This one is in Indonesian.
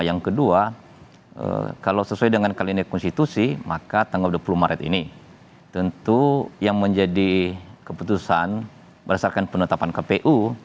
yang kedua kalau sesuai dengan kalimat konstitusi maka tanggal dua puluh maret ini tentu yang menjadi keputusan berdasarkan penetapan kpu